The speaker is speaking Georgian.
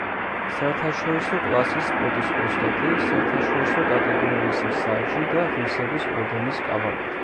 საერთაშორისო კლასის სპორტის ოსტატი, საერთაშორისო კატეგორიის მსაჯი და ღირსების ორდენის კავალერი.